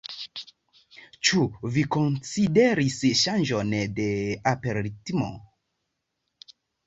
Ĉu vi konsideris ŝanĝon de aperritmo?